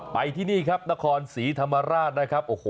ไปที่นี่นครศรีธรรมราช